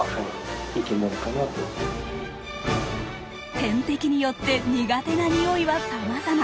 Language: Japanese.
天敵によって苦手なニオイはさまざま。